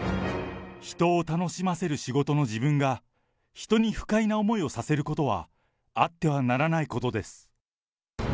人を楽しませる仕事の自分が、人に不快な思いをさせることはあってはならないことです。